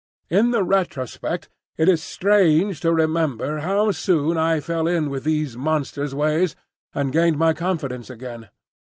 In the retrospect it is strange to remember how soon I fell in with these monsters' ways, and gained my confidence again.